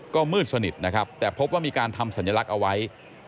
ก็มืดสนิทนะครับแต่พบว่ามีการทำสัญลักษณ์เอาไว้